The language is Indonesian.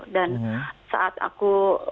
dan saat aku